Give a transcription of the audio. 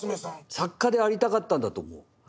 作家でありたかったんだと思う。